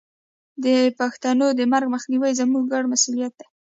د پښتو د مرګ مخنیوی زموږ ګډ مسوولیت دی.